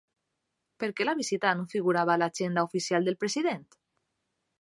Per què la visita no figurava a l'agenda oficial del president?